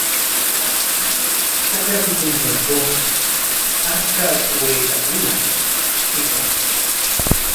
Trakra kutrunkunatraw achka waytakuna hiqashqa.